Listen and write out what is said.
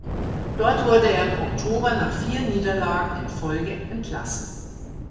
Dort wurde er im Oktober nach vier Niederlagen in Folge entlassen.